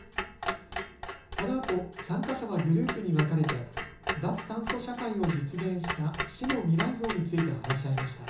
このあと参加者はグループに分かれて脱炭素社会を実現した市の未来像について話し合いました。